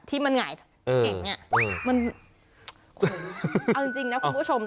ที่มันใหญ่เก่งอ่ะอืมเหมือนเอาจริงน่ะคุณผู้ชม